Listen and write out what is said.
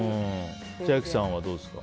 千秋さんはどうですか？